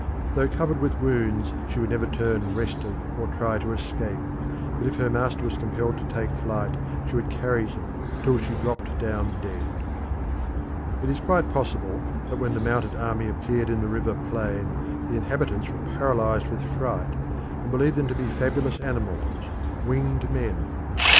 Though covered with wounds, she would never turn restive or try to escape, but if her master was compelled to take to flight she would carry him till she dropped down dead. It is quite possible that when the mounted army appeared in the river plain the inhabitants were paralysed with fright, and believed them to be fabulous animals, winged men.